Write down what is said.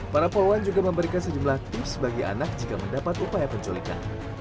para poluan juga memberikan sejumlah tips bagi anak jika mendapat upaya penculikan